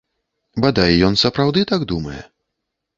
Бадай, ён сапраўды так думае.